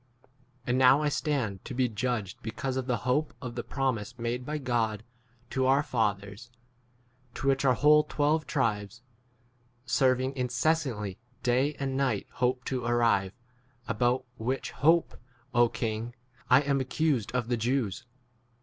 And now I stand to be judged because of the hope of the promise made by God to 7 our h fathers, to which our whole twelve tribes serving incessantly day and night hope to arrive; about which hope, Oking, 1 lam 8 accused of [the] Jews.